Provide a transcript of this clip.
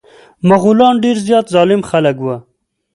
مغولان ډير زيات ظالم خلک وه.